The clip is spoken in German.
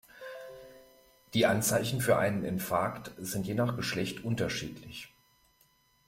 Die Anzeichen für einen Infarkt sind je nach Geschlecht unterschiedlich.